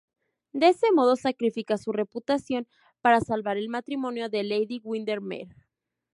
De ese modo, sacrifica su reputación para salvar el matrimonio de Lady Windermere.